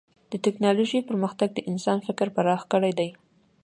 د ټکنالوجۍ پرمختګ د انسان فکر پراخ کړی دی.